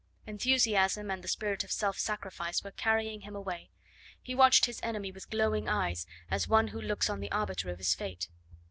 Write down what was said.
Enthusiasm and the spirit of self sacrifice were carrying him away. He watched his enemy with glowing eyes as one who looks on the arbiter of his fate.